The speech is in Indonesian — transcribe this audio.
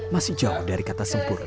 masih jauh dari kata sempurna